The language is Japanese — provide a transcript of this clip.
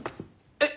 えっ？